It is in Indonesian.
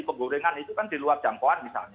penggorengan itu kan di luar jangkauan misalnya